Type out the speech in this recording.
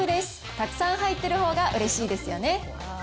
たくさん入ってるほうが、うれしいですよね。